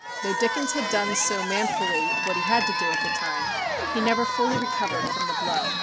Though Dickens had done so manfully what he had to do at the time, he never fully recovered from the blow.